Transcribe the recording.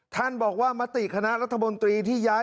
ท่านบอกว่ามติคณะรัฐมนตรีที่ย้าย